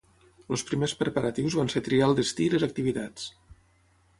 El primers preparatius van ser triar el destí i les activitats.